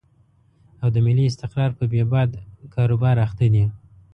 او د ملي استقرار په بې باد کاروبار اخته دي.